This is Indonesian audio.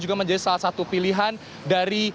juga menjadi salah satu pilihan dari